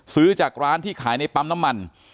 ซื้อจากร้านที่ขายในปั๊มน้ำมัน